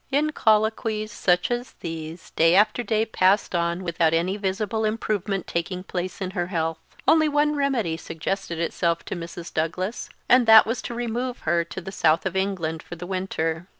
In colloquies such as these day after day passed on without any visible improvement taking place in her health. Only one remedy suggested itself to Mrs. Douglas, and that was to remove her to the south of England for the winter.